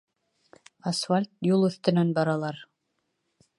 Асфальт юл өҫтөнән баралар.